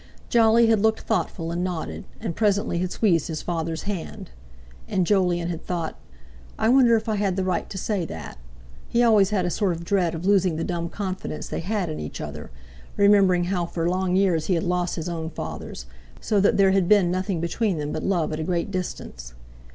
Jolly had looked thoughtful, and nodded, and presently had squeezed his father's hand. And Jolyon had thought: "I wonder if I had the right to say that?" He always had a sort of dread of losing the dumb confidence they had in each other; remembering how for long years he had lost his own father's, so that there had been nothing between them but love at a great distance.